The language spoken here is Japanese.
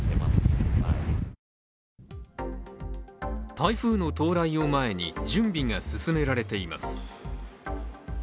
台風の到来を前に準備が進められています。